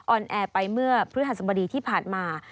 อนแอร์ไปเมื่อพฤหัสบดีที่ผ่านมา